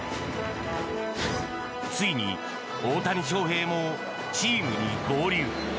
ついに大谷翔平もチームに合流。